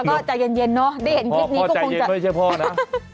ก็ใจเย็นเนอะได้เห็นคลิปนี้ก็คงจะไม่ใช่พ่อนะ